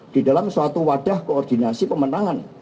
di dalam suatu wadah koordinasi pemenangan